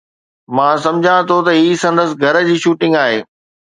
مان سمجهان ٿو ته هي سندس گهر جي شوٽنگ آهي